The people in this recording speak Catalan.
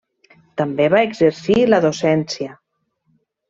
També va exercir la docència.